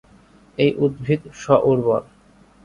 এই উদ্ভিদ স্ব-উর্বর।